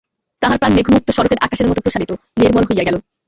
তাহার প্রাণ মেঘযুক্ত শরতের আকাশের মত প্রসারিত, নির্মল হইয়া গেল।